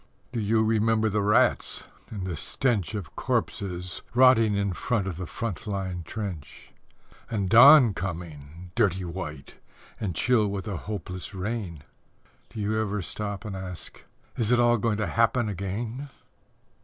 Do you remember the rats; and the stench Of corpses rotting in front of the front line trench, And dawn coming, dirty white, and chill with a hopeless rain? Do you ever stop and ask, "Is it all going to happen again?"